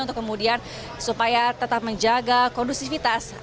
untuk kemudian supaya tetap menjaga kondusivitas